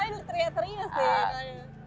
masih suka ngelawak nggak sih